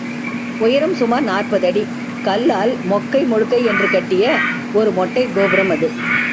உயரம் சுமார் நாற்பது அடி, கல்லால் மொக்கை மொழுக்கை என்று கட்டிய ஒரு மொட்டைக் கோபுரம் அது.